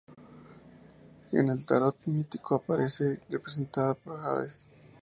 En el Tarot Mítico aparece representada por Hades.